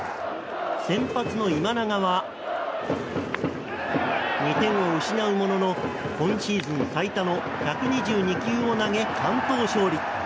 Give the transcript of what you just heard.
先発の今永は２点を失うものの今シーズン最多の１２２球を投げ完投勝利。